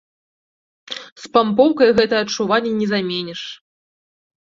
Спампоўкай гэтыя адчуванні не заменіш!